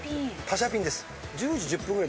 パシャピンです。